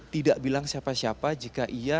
tidak bilang siapa siapa jika ini berlaku